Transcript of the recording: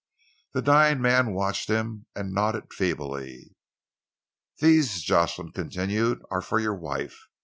The dying man watched him and nodded feebly. "These," Jocelyn continued, "are for your wife.